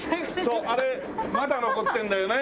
あれまだ残ってるんだよね。